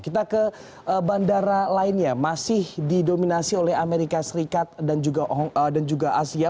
kita ke bandara lainnya masih didominasi oleh amerika serikat dan juga asia